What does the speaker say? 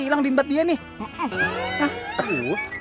ilang di mbak dia nih